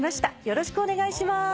よろしくお願いします。